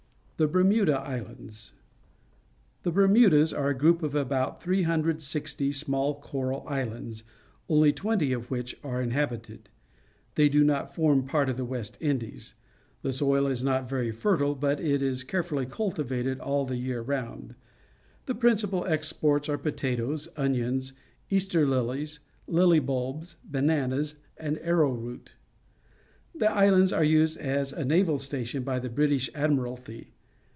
The Bermuda Islands. — The Bermudas are a group of about 360 small coral islands, only twenty of which are inhabited. They do not form part of the West Indies. The soil is not very fertile, but it is carefully cultivated all the year round. The principal exports are potatoes, onions, Easter Uhes, hly bulbs, T5ananas, and arrowroot. The islands are used as a naval station by the British Admiralty.